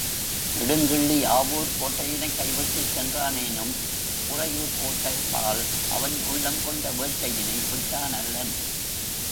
நெடுங்கிள்ளி, ஆவூர்க் கோட்டையினைக் கை விட்டுச் சென்றானேனும், உறையூர்க் கோட்டைபால் அவன் உள்ளம் கொண்ட வேட்கையினை விட்டானல்லன்.